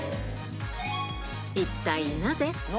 一体なぜ？